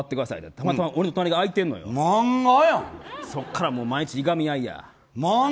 たまたま俺の隣が空いてんねんそっから毎日いがみ合いや。